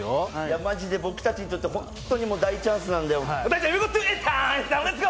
マジで僕たちにとって、ホントに大チャンスなんで。